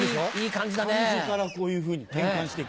漢字からこういうふうに転換していく。